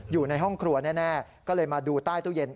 อยู่ในห้องครัวแน่ก็เลยมาดูใต้ตู้เย็น